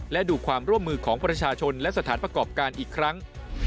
และดูความร่วมมือของประชาชนและสถานประกอบการอีกครั้ง